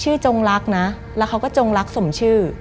จงรักนะแล้วเขาก็จงรักสมชื่อ